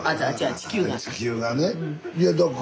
地球がね。